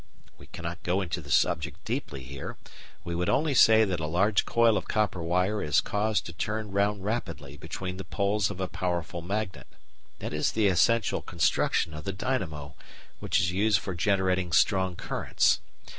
We cannot go into the subject deeply here, we would only say that a large coil of copper wire is caused to turn round rapidly between the poles of a powerful magnet. That is the essential construction of the "dynamo," which is used for generating strong currents.